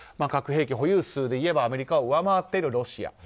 核兵器保有数でいえばアメリカを上回っているロシア。